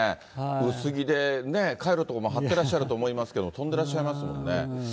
薄着でカイロとかもはってらっしゃると思いますけれども、跳んでらっしゃいますもんね。